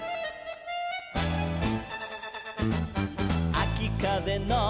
「あきかぜの」